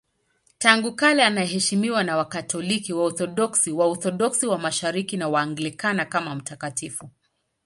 Tangu kale anaheshimiwa na Wakatoliki, Waorthodoksi, Waorthodoksi wa Mashariki na Waanglikana kama mtakatifu.